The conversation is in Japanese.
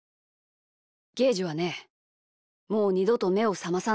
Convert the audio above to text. ゲージはねもうにどとめをさまさない。